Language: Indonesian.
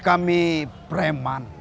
kami adalah orang orang yang bebas